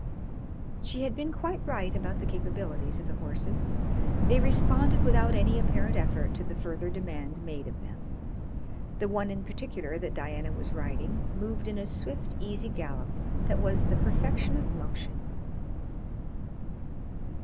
She had been quite right about the capabilities of the horses. They responded without any apparent effort to the further demand made of them. The one in particular that Diana was riding moved in a swift, easy gallop that was the perfection of motion.